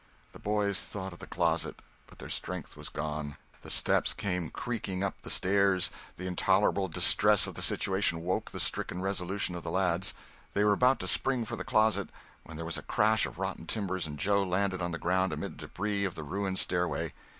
The boys thought of the closet, but their strength was gone. The steps came creaking up the stairs—the intolerable distress of the situation woke the stricken resolution of the lads—they were about to spring for the closet, when there was a crash of rotten timbers and Injun Joe landed on the ground amid the debris of the ruined stairway.